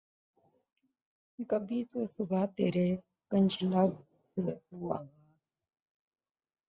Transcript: کبھی تو صبح ترے کنج لب سے ہو آغاز